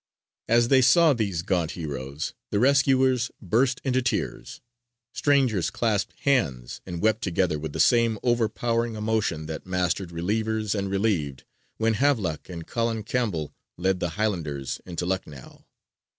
As they saw these gaunt heroes the rescuers burst into tears; strangers clasped hands and wept together with the same overpowering emotion that mastered relievers and relieved when Havelock and Colin Campbell led the Highlanders into Lucknow.